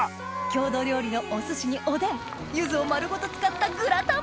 郷土料理のおすしにおでんゆずを丸ごと使ったグラタンも！